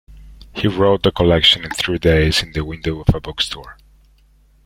He wrote the collection in three days in the window of a bookstore.